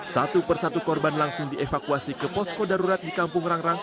satu persatu korban langsung dievakuasi ke posko darurat di kampung rang rang